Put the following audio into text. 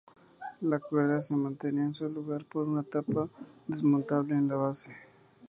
La cuerda se mantenía en su lugar por una tapa desmontable en la base.